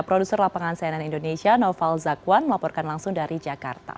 produser lapangan cnn indonesia noval zakwan melaporkan langsung dari jakarta